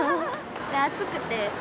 暑くて。